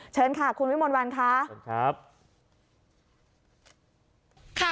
เชิญค่ะคุณวิมวัลวันค่ะ